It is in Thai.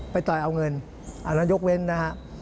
ต่อยเอาเงินอันนั้นยกเว้นนะฮะ